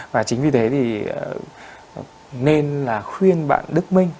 và chính vì thế thì nên là khuyên bạn đức minh